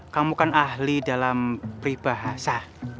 kamu kan ahli dalam peribahasa